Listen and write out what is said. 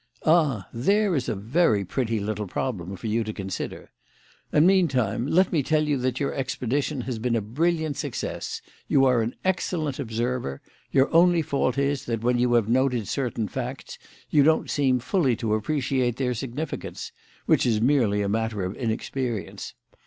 "Ah, there is a very pretty little problem for you to consider. And, meantime, let me tell you that your expedition has been a brilliant success. You are an excellent observer. Your only fault is that when you have noted certain facts you don't seem fully to appreciate their significance which is merely a matter of inexperience.